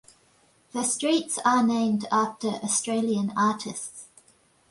The streets are named after Australian artists.